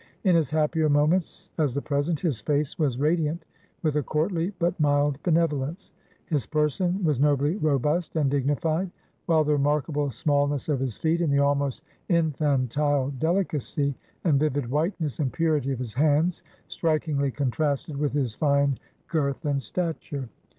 In his happier moments, as the present, his face was radiant with a courtly, but mild benevolence; his person was nobly robust and dignified; while the remarkable smallness of his feet, and the almost infantile delicacy, and vivid whiteness and purity of his hands, strikingly contrasted with his fine girth and stature.